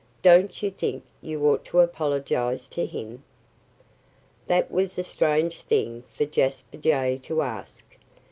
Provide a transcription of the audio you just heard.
Don't you think you ought to apologize to him?" That was a strange thing for Jasper Jay to ask.